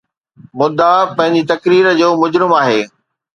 مدعا پنهنجي تقرير جو مجرم آهي